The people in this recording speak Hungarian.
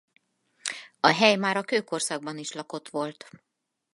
A hely már a kőkorszakban is lakott volt.